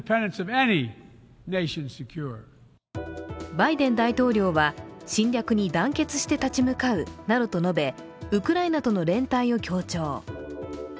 バイデン大統領は侵略に団結して立ち向かうなどと述べウクライナとの連帯を強調。